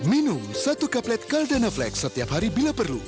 minum satu kaplet caldana flex setiap hari bila perlu